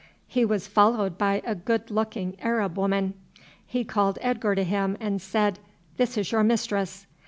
He was followed by a good looking Arab woman. He called Edgar to him and said, "This is your mistress."